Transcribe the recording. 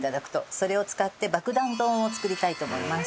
それを使ってバクダン丼を作りたいと思います。